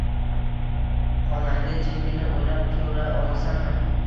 Xonangda jimgina o‘ynab tura olasanmi?